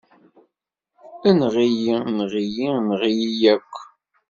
Enɣ-iyi! Enɣ-iyi! Enɣ-iyi akk!